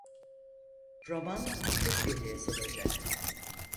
Roman, Türkiye'de yazılacak.